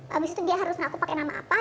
habis itu dia harus mengaku pakai nama apa